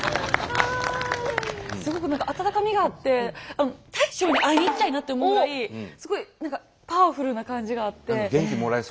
すごく何か温かみがあってあの大将に会いに行きたいなって思うぐらいすごい何かパワフルな感じがあって。